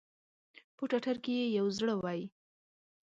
په ټټر کې ئې یو زړه وی